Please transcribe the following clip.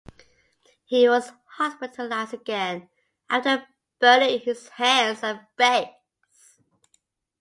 He was hospitalised again after burning his hands and face.